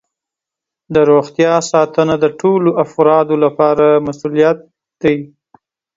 د روغتیا ساتنه د ټولو افرادو لپاره مسؤولیت دی.